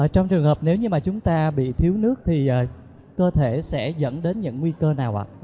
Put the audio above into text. trong trường hợp nếu như mà chúng ta bị thiếu nước thì cơ thể sẽ dẫn đến những nguy cơ nào ạ